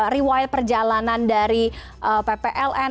rewire perjalanan dari ppln